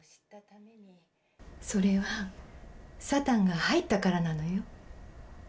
それはサタンが入ったからなのよ。